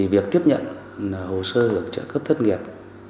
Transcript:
việc tiếp nhận hồ sơ hưởng trợ cấp thất nghiệp